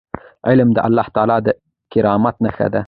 علم د الله تعالی د کرامت نښه ده.